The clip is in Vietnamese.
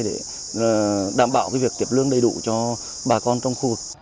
để đảm bảo việc tiệp lương đầy đủ cho bà con trong khu vực